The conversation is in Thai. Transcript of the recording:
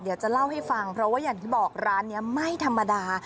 เดี๋ยวจะเล่าให้ฟังเพราะว่าอย่างที่บอกร้านนี้ไม่ธรรมดา